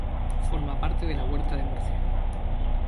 Forma parte de la Huerta de Murcia.